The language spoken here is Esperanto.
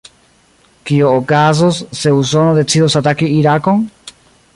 Kio okazos, se Usono decidos ataki Irakon?